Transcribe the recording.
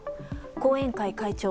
後援会会長